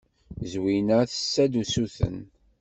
Zwina tessa-d usuten.